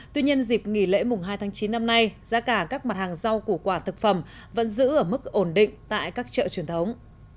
tuy nhiên dịp nghỉ lễ mùng hai tháng chín năm nay giá cả các mặt hàng rau củ quả thực phẩm vẫn giữ ở mức ổn định tại các chợ truyền thống